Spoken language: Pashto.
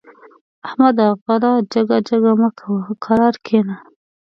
احمده! غره جګه جګه مه کوه؛ کرار کېنه.